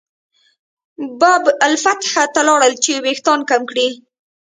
باب الفتح ته لاړل چې وېښتان کم کړي.